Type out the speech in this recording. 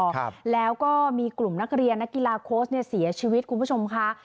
ครับแล้วก็มีกลุ่มนักเรียนนักกีฬาโค้ชเนี่ยเสียชีวิตคุณผู้ชมค่ะ